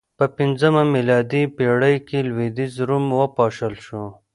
په پنځمه میلادي پېړۍ کې لوېدیځ روم وپاشل شو